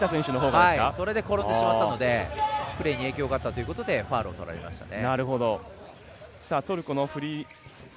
それで転んでしまったのでプレーに影響があったということでファウルを取られましたね。